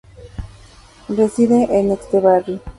Reside en Etxebarri.